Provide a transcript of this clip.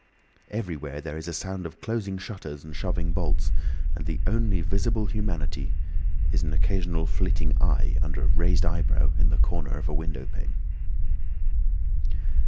Everywhere there is a sound of closing shutters and shoving bolts, and the only visible humanity is an occasional flitting eye under a raised eyebrow in the corner of a window pane.